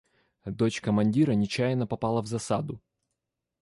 Дочь командира нечаянно попала в засаду.